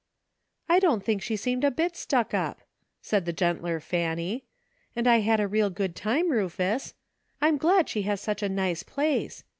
"I don't think she seemed a bit stuck up,'* said the gentler Fanny, " and I had a real good time, Rufus. I'm glad she has such a nice place.